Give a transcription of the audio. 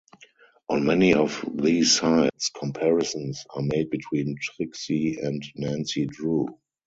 On many of these sites, comparisons are made between Trixie and Nancy Drew.